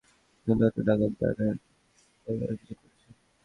শাহীন শ্রীনগরের বাঘরা এলাকার দুর্ধর্ষ ডাকাত তাজেল বাহিনীর সদস্য বলে অভিযোগ রয়েছে।